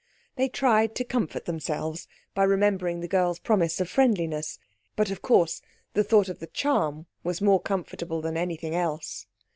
They tried to comfort themselves by remembering the girl's promise of friendliness, but of course the thought of the charm was more comfortable than anything else.